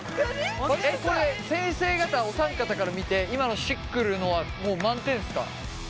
これ先生方お三方から見て今のしっくるのはもう満点ですか？